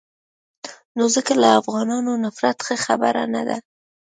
نو ځکه له افغانانو نفرت ښه خبره نه ده.